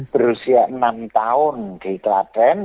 berusia enam tahun di klaten